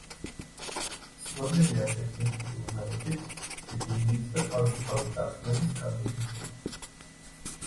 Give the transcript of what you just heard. ცნობილია ტექნიკური უნარებით, დრიბლინგით და თავისუფალი დარტყმების კარგი შესრულებით.